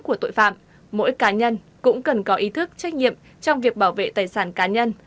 của tội phạm mỗi cá nhân cũng cần có ý thức trách nhiệm trong việc bảo vệ tài sản cá nhân